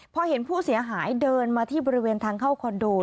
พอเห็นผู้เสียหายเดินมาที่บริเวณทางเข้าคอนโด